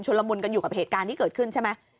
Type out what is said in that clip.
ละมุนกันอยู่กับเหตุการณ์ที่เกิดขึ้นใช่ไหม